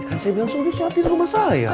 kan saya bilang sudah sholat di rumah saya